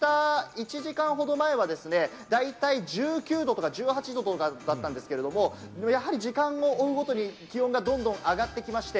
１時間ほど前はですね、大体１９度、１８度となったんですけれども、やはり時間を追うごとに気温がどんどん上がってきました。